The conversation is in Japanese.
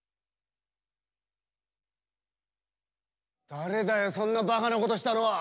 誰だよそんなバカなことしたのは！